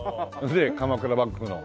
鎌倉幕府の。